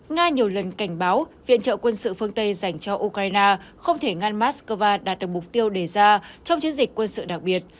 nga nhiều lần cảnh báo viện trợ quân sự phương tây dành cho ukraine không thể ngăn moscow đạt được mục tiêu đề ra trong chiến dịch quân sự đặc biệt